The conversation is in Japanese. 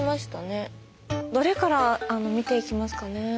どれから見ていきますかね。